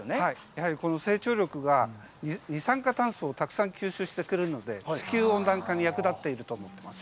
やはりこの成長力が、二酸化炭素をたくさん吸収してくれるので、地球温暖化に役立っていると思います。